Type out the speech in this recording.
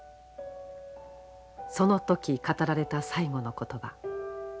その時語られた最後の言葉。